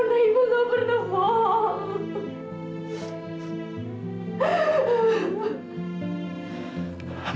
nah ibu gak pernah bohong